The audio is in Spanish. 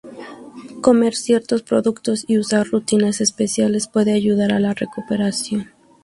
Comer ciertos productos y usar rutinas especiales puede ayudar a la recuperación.